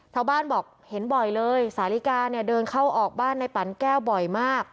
ชาวบ้านบอกเห็นบ่อยเลยสาลิกาเนี่ยเดินเข้าออกบ้านในปั่นแก้วบ่อยมาก